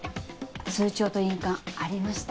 通帳と印鑑ありました。